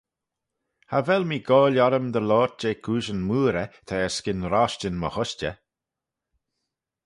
Cha vel mee-goaill orrym dy loayrt jeh cooishyn mooarey: ta erskyn roshtyn my hushtey.